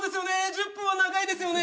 １０分は長いですよね